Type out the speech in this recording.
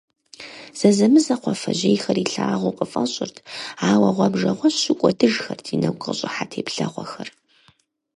Зэзэмызэ кхъуафэжьейхэр илъагъуу къыфӏэщӏырт, ауэ гъуабжэгъуэщу кӏуэдыжхэрт и нэгу къыщӏыхьэ теплъэгъуэхэр.